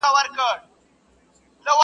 څوک و یوه او څوک و بل ته ورځي.